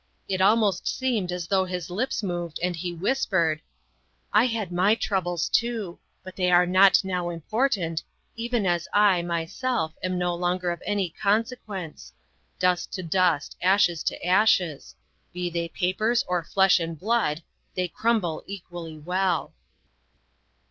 It almost seemed as though his lips moved and he whispered: " I had my troubles too, but they are not now impor tant, even as I, myself, am no longer of any consequence. Dust to dust, ashes to ashes be they papers or flesh and blood, they crumble equally well."